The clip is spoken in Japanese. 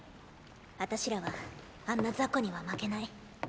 あたしらはあんなザコには負けない。